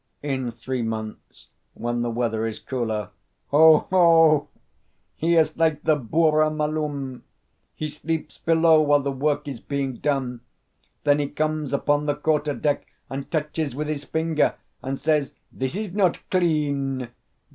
"In three months, when the weather is cooler." "Ho! ho! He is like the Burra Malum. He sleeps below while the work is being done. Then he comes upon the quarter deck and touches with his finger, and says: 'This is not clean!